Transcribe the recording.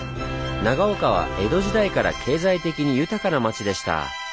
長岡は江戸時代から経済的に豊かな町でした。